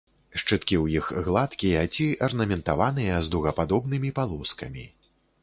Шчыткі ў іх гладкія ці арнаментаваныя дугападобнымі палоскамі.